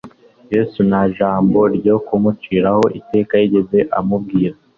Yesu nta jambo ryo kumuciraho iteka yigeze amubwira,